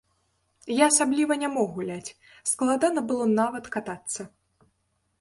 Я асабліва не мог гуляць, складана было нават катацца.